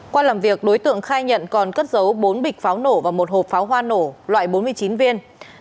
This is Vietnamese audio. qua làm việc đối tượng khai nhận còn cất giấu bốn bịch pháo nổ và một hộp pháo hoa nổ loại bốn mươi chín viên